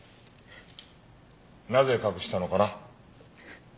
なぜ隠したのかな？